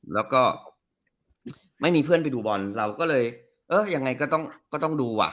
แล้วก็ไม่มีเพื่อนไปดูบอลเราก็เลยเออยังไงก็ต้องก็ต้องดูอ่ะ